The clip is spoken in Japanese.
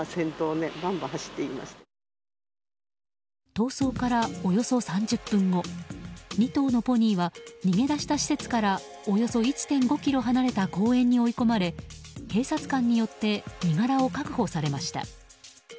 逃走からおよそ３０分後２頭のポニーは逃げ出した施設からおよそ１．５ｋｍ離れた公園に追い込まれ警察官によって身柄を確保されました。